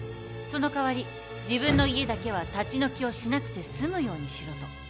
「その代わり自分の家だけは立ち退きをしなくて済むようにしろ」と。